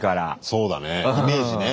そうだねイメージね。